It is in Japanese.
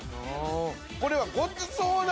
これはごちそうだ！